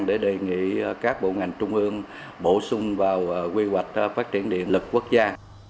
để đề nghị các bộ ngành trung ương bổ sung vào quy hoạch phát triển điện lực quốc gia